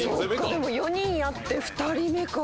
でも４人やって２人目か。